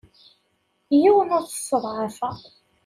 Yiwen ur t-sseḍɛafeɣ.